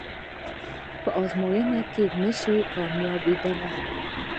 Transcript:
ازموینه کې نشئ کامیابدلی